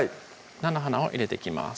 菜の花を入れていきます